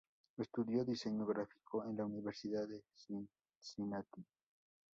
Estudió diseño gráfico en la Universidad de Cincinnati.